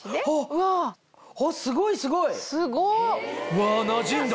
うわなじんだ！